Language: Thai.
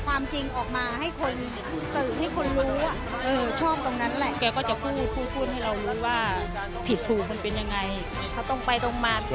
เขาต้องไปตรงมัน